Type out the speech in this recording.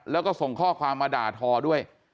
แล้วก็ส่งข้อความมาด่าทอด้วย